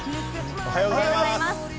おはようございます。